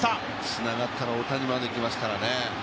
つながったら大谷までいきますからね。